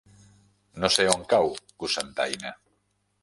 No sé on cau Cocentaina.